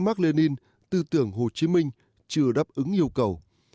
mark lenin tư tưởng hồ chí minh chưa đáp ứng yêu cầu